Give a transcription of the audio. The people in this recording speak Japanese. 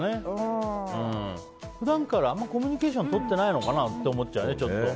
普段からあんまりコミュニケーションとっていないのかなって思っちゃうよね。